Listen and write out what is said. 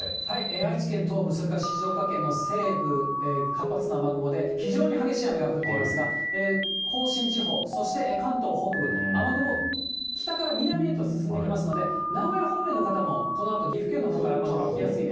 愛知県東部、それから静岡県の西部、活発な雨雲で、非常に激しい雨が降っていますが、甲信地方、そして関東北部、雨雲、北から南へと進んできますので、名古屋方面の方も、このあと岐阜県のほうから雨雲来やすいです。